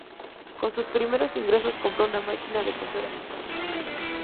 Con sus primeros ingresos compró una máquina de coser a su madre.